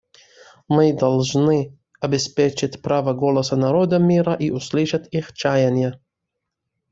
Мы должны обеспечить право голоса народам мира и услышать их чаяния.